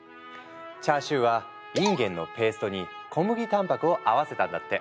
チャーシューはいんげんのペーストに小麦たんぱくを合わせたんだって。